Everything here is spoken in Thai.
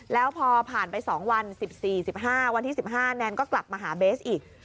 แล้วพอผ่านไป๒วัน๑๔๑๕วันที่๑๕แนนก็กลับมาหาเบสอีก